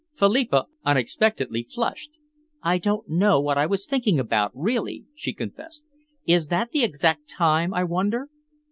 Philippa unexpectedly flushed. "I don't know what I was thinking about, really," she confessed. "Is that the exact time, I wonder?"